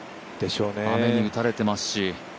雨に打たれていますし。